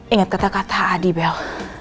ingat kata kata adi bel